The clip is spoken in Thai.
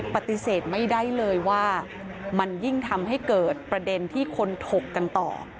ปฏิเสธไม่ได้เลยว่ามันยิ่งทำให้เกิดประเด็นที่คนถกกันต่อ